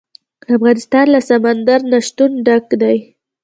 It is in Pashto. افغانستان له سمندر نه شتون ډک دی.